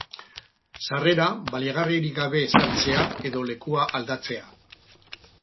Sarrera baliagarririk gabe sartzea edo lekua aldatzea.